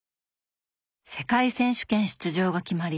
世界選手権出場が決まり